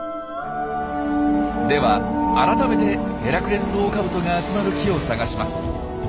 では改めてヘラクレスオオカブトが集まる木を探します。